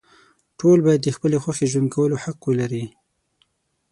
ټول باید د خپلې خوښې ژوند کولو حق ولري.